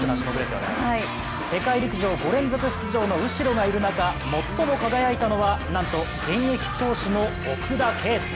世界陸上５大会連続出場の右代がいる中、最も輝いたのはなんと現役教師の奥田啓祐。